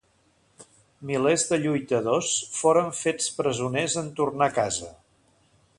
Milers de lluitadors foren fets presoners en tornar a casa.